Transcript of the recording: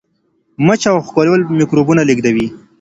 مچه او ښکلول میکروبونه لیږدوي.